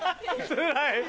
つらい！